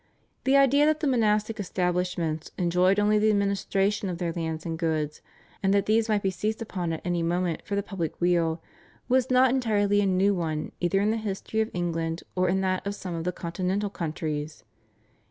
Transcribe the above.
The idea that the monastic establishments enjoyed only the administration of their lands and goods, and that these might be seized upon at any moment for the public weal, was not entirely a new one either in the history of England or in that of some of the Continental countries.